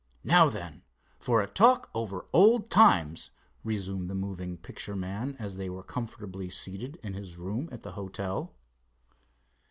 Now then, for a talk over old times," resumed the moving picture man, as they were comfortably seated in his room at the hotel.